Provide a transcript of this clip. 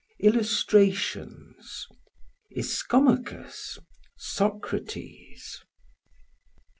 Illustrations Ischomachus; Socrates.